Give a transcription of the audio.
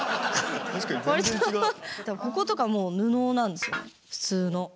こことかも布なんですよ普通の。